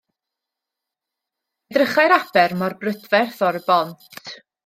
Edrychai'r aber mor brydferth o'r bont.